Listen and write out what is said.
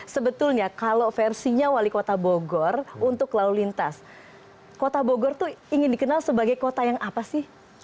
sebetulnya kalau versinya wali kota bogor untuk lalu lintas kota bogor itu ingin dikenal sebagai kota yang apa sih